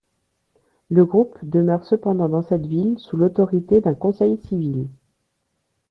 Le groupe demeure cependant dans cette ville sous l'autorité d'un conseil civil.